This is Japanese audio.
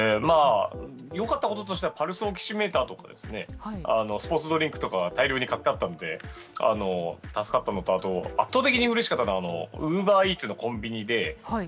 良かったこととしてはパルスオキシメーターとかスポーツドリンクとか大量に買ってあったので助かったのと圧倒的にうれしかったのはウーバーイーツのコンビニで。